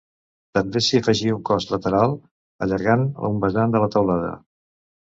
També s'hi afegí un cos lateral, allargant un vessant de la teulada.